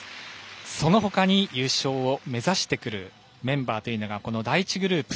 その他に優勝を目指してくるメンバーがこの第１グループ。